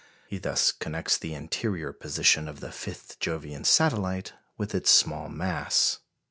He thus connects the interior position of the fifth Jovian satellite with its small mass.